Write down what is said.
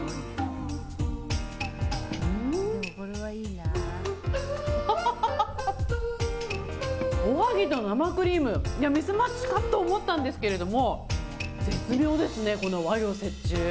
あはははは、おはぎと生クリーム、いや、ミスマッチかと思ったんですけれども、絶妙ですね、この和洋折衷。